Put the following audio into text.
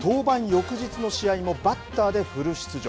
翌日の試合もバッターでフル出場。